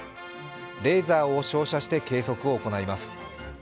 レーザーを照射して計測を行います。